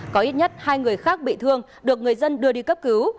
có ít nhất hai người khác bị thương được người dân đưa đi cấp cứu